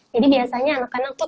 jadi biasanya anak anak tuh